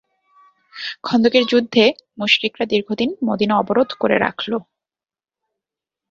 খন্দকের যুদ্ধে মুশরিকরা দীর্ঘদিন মদীনা অবরোধ করে রাখল।